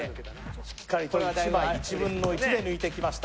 しっかり１分の１で抜いてきました。